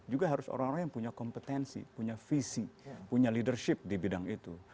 juga harus orang orang yang punya kompetensi punya visi punya leadership di bidang itu